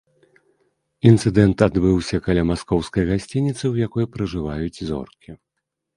Інцыдэнт адбыўся каля маскоўскай гасцініцы, у якой пражываюць зоркі.